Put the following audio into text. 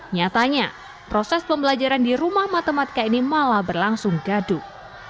nyatanya proses pembelajaran di rumah matematika ini malah berlangsung gaduh